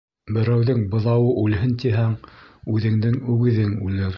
Берәүҙең быҙауы үлһен тиһәң, үҙеңдең үгеҙең үлер.